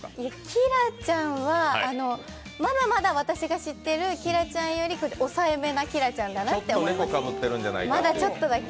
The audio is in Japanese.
きらちゃんはまだまだ私が知ってるきらちゃんより抑えめなきらちゃんだなって思います、まだちょっとだけ。